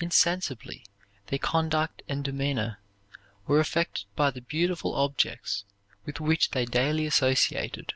Insensibly their conduct and demeanor were affected by the beautiful objects with which they daily associated.